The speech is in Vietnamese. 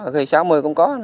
khi sáu mươi cũng có